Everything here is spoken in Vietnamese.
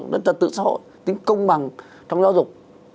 đến công bằng trong giáo dục